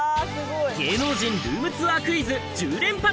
芸能人ルームツアークイズ１０連発！